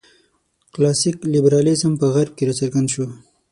کلاسیک لېبرالېزم په غرب کې راڅرګند شو.